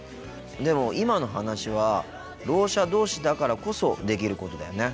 でも今の話はろう者同士だからこそできることだよね。